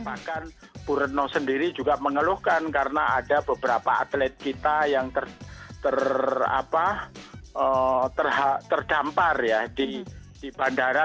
bahkan bu retno sendiri juga mengeluhkan karena ada beberapa atlet kita yang terdampar ya di bandara